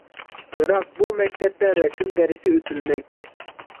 بىراق بۇ مەكتەپتە رەسىم دەرسى ئۆتۈلمەيتتى.